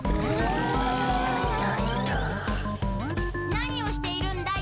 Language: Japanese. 何をしているんだい？